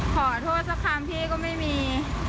ขอโทษสักคำพี่ก็ไม่มี